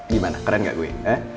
gimana keren gak gue